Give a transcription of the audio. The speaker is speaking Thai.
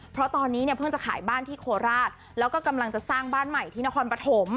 เพราะตอนนี้เนี่ยเพิ่งจะขายบ้านที่โคราชแล้วก็กำลังจะสร้างบ้านใหม่ที่นครปฐม